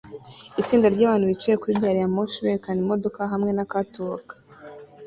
Itsinda ryabantu bicaye kuri gariyamoshi berekana imodoka hamwe na catwalk